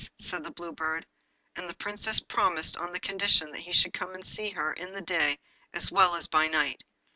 said the Blue Bird. And the Princess promised on condition that he should come and see her in the day as well as by night.